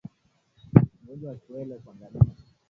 Ugonjwa wa kiwele kwa ngamia